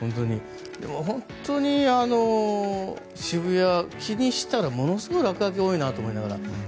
本当に渋谷、気にしたらものすごい落書き多いなと思いながら。